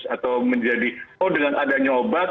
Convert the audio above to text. atau menjadi oh dengan adanya obat